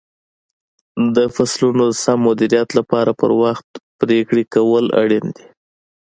د فصلونو د سم مدیریت لپاره پر وخت پرېکړې کول اړین دي.